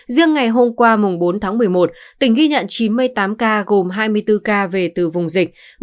riêng ngày hôm qua bốn tháng một mươi một tỉnh ghi nhận chín mươi tám ca gồm hai mươi bốn ca về từ vùng dịch